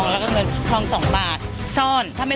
ปากกับภาคภูมิ